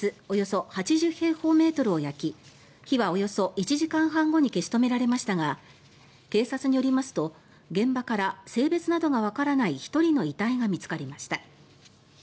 およそ８０平方メートルを焼き火はおよそ１時間半後に消し止められましたが警察によりますと現場から性別などがわからない１人の遺体が見つかりました。